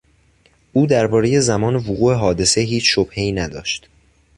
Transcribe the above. او دربارهی زمان وقوع حادثه هیچ شبههای نداشت.